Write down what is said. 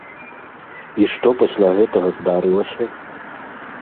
І што пасля гэтага здарылася?